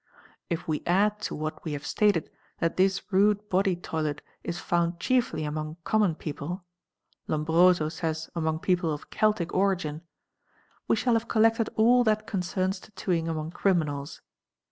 | If we add to what we have stated that this rude body toilet is found chiefly among common people (Lombroso says among people of Celtic origin) we shall have collected all that concerns tattooing among crimi nals.